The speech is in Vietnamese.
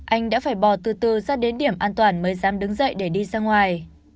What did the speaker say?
anh đã phải bỏ từ từ ra đến điểm an toàn mới dám đứng dậy để đi ra ngoài